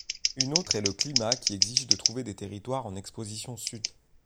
Une autre est le climat qui exige de trouver des terroirs en exposition sud.